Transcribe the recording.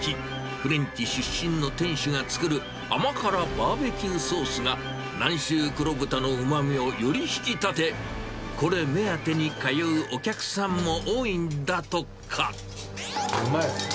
フレンチ出身の店主が作る甘からバーベキューソースが、南州黒豚のうまみをより引き立て、これ目当てに通うお客さんも多いうまい！